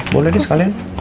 boleh deh sekalian